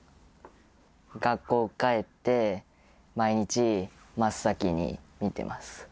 学校帰って、毎日、真っ先に見てます。